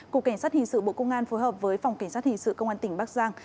cục cảnh sát hình sự bộ công an phối hợp với phòng cảnh sát hình sự công an tỉnh bắc giang